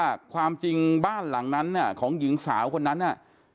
ความจริงบ้านหลังนั้นเนี่ยของหญิงสาวคนนั้นน่ะ